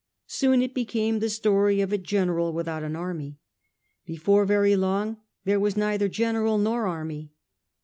Soon it became the story of a gen eral without an army; before very long there was neither general nor army.